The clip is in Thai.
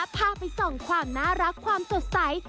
พาไปส่องความน่ารักความสดใส